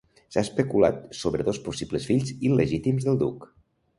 S'ha especulat sobre dos possibles fills il·legítims del duc.